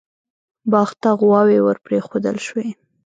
باغ ته غواوې ور پرېښودل شوې.